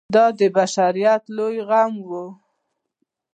دا د بشریت لوی غم و.